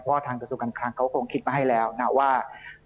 เพราะว่าทางกระสุนการคลังเขาคงคิดมาให้แล้วนะว่า